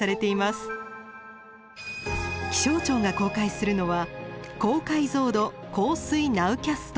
気象庁が公開するのは高解像度降水ナウキャスト。